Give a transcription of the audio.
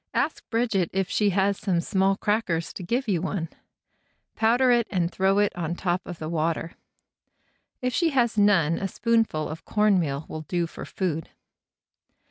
"Ask Bridget if she has some small crackers to give you one. Powder it and throw it on top of the water. If she has none a spoonful of corn meal will do for food.